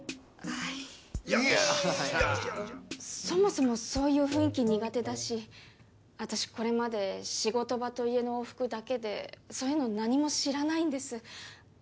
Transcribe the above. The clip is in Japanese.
そもそもそういう雰囲気苦手だし私これまで仕事場と家の往復だけでそういうの何も知らないんです。